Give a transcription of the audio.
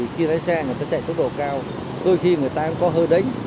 khi lái xe người ta chạy tốc độ cao đôi khi người ta có hơ đánh